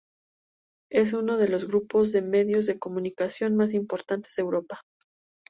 Es uno de los grupos de medios de comunicación más importantes de Europa.